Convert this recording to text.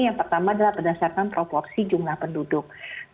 yang pertama adalah berdasarkan proporsi jumlah penduduk